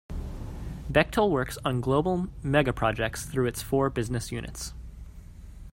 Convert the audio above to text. Bechtel works on global megaprojects through its four business units.